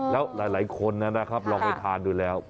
แล้วหลายคนนะครับลองไปทานดูแล้ว